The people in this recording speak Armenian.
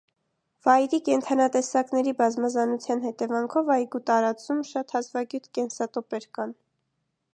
Վայրի կենդանատեսակների բազմազանության հետևանքով այգու տարածում շատ հազվագյուտ կենսատոպեր կան։